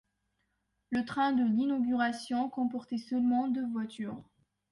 Le train de l'inauguration comportait seulement deux voitures.